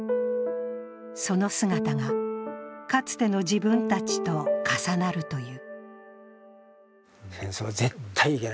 その姿がかつての自分たちと重なるという。